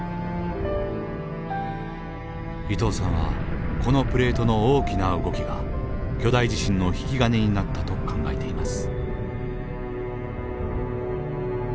伊藤さんはこのプレートの大きな動きが巨大地震の引き金になったと考えています。